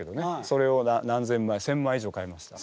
それを何千枚１，０００枚以上買いました。